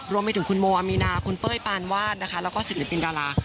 รวมไปถึงคุณโมอามีนาคุณเป้ยปานวาดนะคะแล้วก็ศิลปินดารา